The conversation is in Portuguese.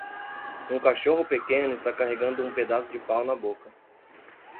Um cachorro pequeno está carregando um pedaço de pau na boca.